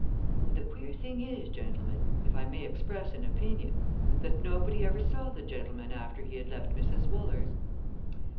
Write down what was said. And the queer thing is, gentlemen, if I may express an opinion, that nobody ever saw the gentleman after he had left Mrs. Wooler's!